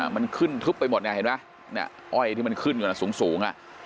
มันขึ้นทึบไปหมดเนี่ยเห็นไหมอ้อยที่มันขึ้นอยู่น่ะสูง